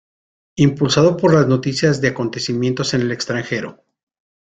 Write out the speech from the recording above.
Impulsado por las noticias de acontecimientos en el extranjero.